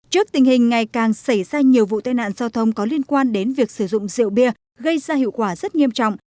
trước tình hình ngày càng xảy ra nhiều vụ tai nạn giao thông có liên quan đến việc sử dụng rượu bia gây ra hiệu quả rất nghiêm trọng